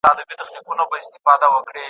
د کوچیانو ونډه د اقتصادي پراختیا لپاره مهمه ده.